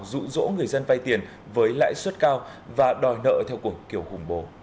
rụ rỗ người dân vay tiền với lãi suất cao và đòi nợ theo cuộc kiểu khủng bố